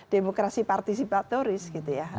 demokrasi partisipatoris gitu ya